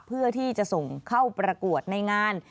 เพื่อที่จะส่งเข้าประกวดในงาน